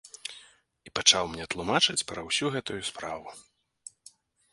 І пачаў мне тлумачыць пра ўсю гэтую справу.